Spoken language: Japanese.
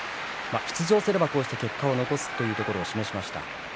出場すれば結果を残すということを示しました。